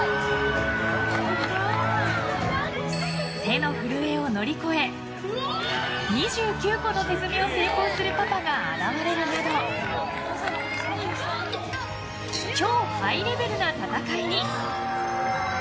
手の震えを乗り越え２９個の手積みを成功するパパが現れるなど超ハイレベルな戦いに。